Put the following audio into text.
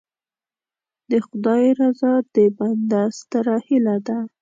د خدای رضا د بنده ستره هیله ده.